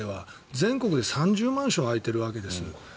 全国で３０満床空いてるわけです。